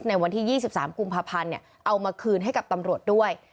ในวันที่๒๓กุมภาพันธ์เอามาคืนให้กับตำรวจด้วย